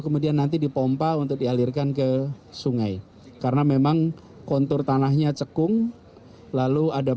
kemudian nanti dipompa untuk dialirkan ke sungai karena memang kontur tanahnya cekung lalu ada